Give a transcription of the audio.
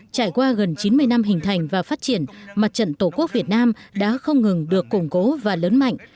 trải qua gần chín mươi năm hình thành và phát triển mặt trận tổ quốc việt nam đã không ngừng được củng cố và lớn mạnh